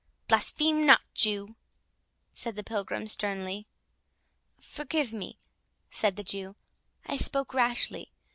"Blaspheme not, Jew," said the Pilgrim, sternly. "Forgive me," said the Jew; "I spoke rashly.